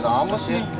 gak amas nih